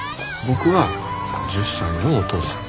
僕は１０歳のお父さん。